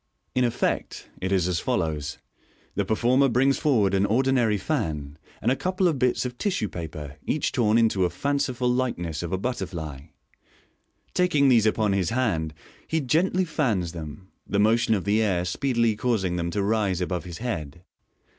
In effect it is as follows :— The performer brings forward an ordinary fan, and a couple of bits of tissue paper, each torn into a fanciful likeness of a butterfly. Taking these upon his hand, he gently fans them, the motion of the air speedily causing them to rise above his head.